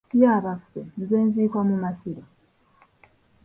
Ye abaffe, nze nziikwa mu Masiro?